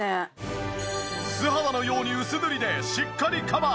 素肌のように薄塗りでしっかりカバー！